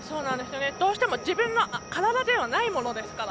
どうしても自分の体ではないものですから。